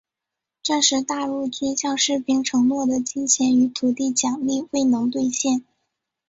战时大陆军向士兵承诺的金钱与土地奖励未能兑现。